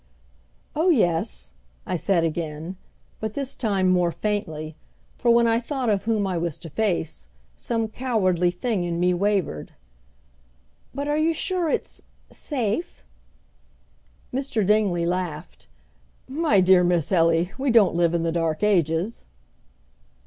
"Oh, yes," I said again, but this time more faintly, for when I thought of whom I was to face, some cowardly thing in me wavered, "But are you sure it's safe?" Mr. Dingley laughed. "My dear Miss Ellie, we don't live in the dark ages!"